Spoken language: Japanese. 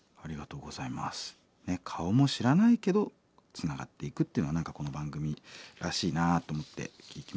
顔も知らないけどつながっていくっていうのは何かこの番組らしいなと思って聞いていました。